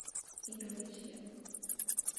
Indonesia